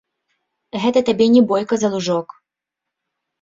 Гэта табе не бойка за лужок.